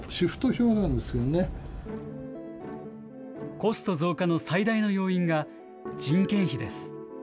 コスト増加の最大の要因が人件費です。